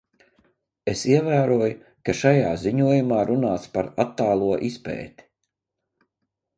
Es ievēroju, ka šajā ziņojumā runāts par attālo izpēti.